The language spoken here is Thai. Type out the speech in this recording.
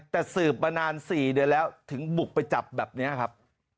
แต่สืบมานาน๔เดือนแล้วถึงบุกไปจับแบบนี้ครับ